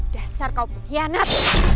dasar kau pengkhianat